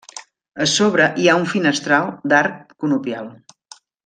A sobre hi ha un finestral d'arc conopial.